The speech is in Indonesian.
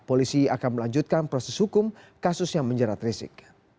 polisi akan melanjutkan proses hukum kasus yang menjerat rizik